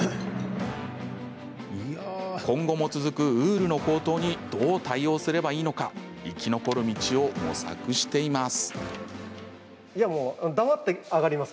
今後も続くウールの高騰にどう対応すればいいのか生き残る道を模索しています。